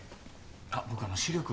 あっ僕あの視力は。